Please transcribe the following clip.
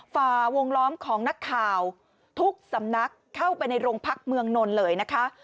ฝ่าวงล้อมของนักข่าวทุกสำนักเข้าไปในโรงพักเมืองนนท์เลยนะคะ